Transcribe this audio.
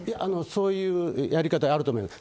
そういうやり方あると思います。